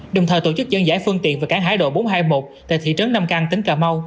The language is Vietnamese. đồng thời tổ chức dân giải phương tiện và cán hải độ bốn trăm hai mươi một tại thị trấn nam căng tỉnh cà mau